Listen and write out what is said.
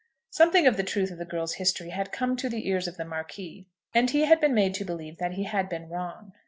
Something of the truth of the girl's history had come to the ears of the Marquis, and he had been made to believe that he had been wrong.